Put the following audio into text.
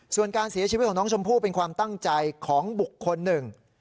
ส่วนการเสียชีวิตของน้องชมพู่เป็นความตั้งใจของบุคคลหนึ่ง